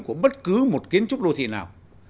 của bất cứ một kiến trúc đô thị nào